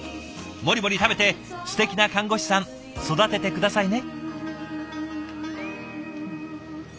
モリモリ食べてすてきな看護師さん育てて下さいね。